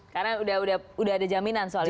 karena udah ada jaminan soal itu